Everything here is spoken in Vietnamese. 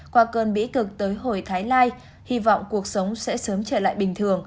qua cơn bỉ cực tới hồi thái lai hy vọng cuộc sống sẽ sớm trở lại bình thường